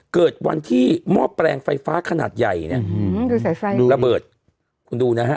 เกิดวันที่หม้อแปลงไฟฟ้าขนาดใหญ่เนี่ยดูสายไฟดูระเบิดคุณดูนะฮะ